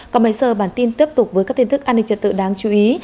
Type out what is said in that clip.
còn bây giờ bản tin tiếp tục với các tin tức an ninh trật tự đáng chú ý